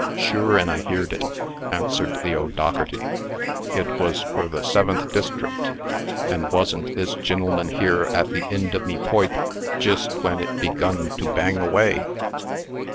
"Shure, an' I heerd it," answered the O'Dougherty. "It was fur the Seventh District. An' wasn't this gin'leman here at the ind o' me poipe, jist when it begun to bang away?"